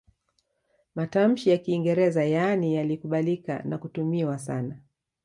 Matamshi ya Kiingereza yaani yalikubalika na kutumiwa sana